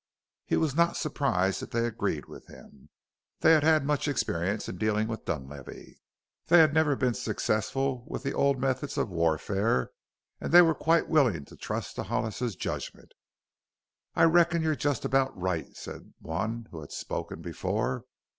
He was not surprised that they agreed with him. They had had much experience in dealing with Dunlavey; they had never been successful with the old methods of warfare and they were quite willing to trust to Hollis's judgment. "I reckon you're just about right," said one who had spoken before.